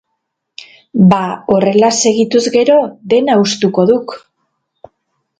Ba, horrela segituz gero dena hustuko duk.